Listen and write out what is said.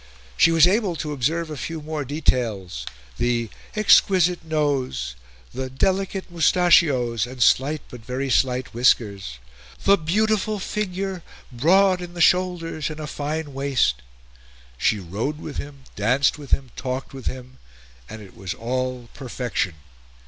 She was able to observe a few more details the "exquisite nose," the "delicate moustachios and slight but very slight whiskers," the "beautiful figure, broad in the shoulders and a fine waist." She rode with him, danced with him, talked with him, and it was all perfection.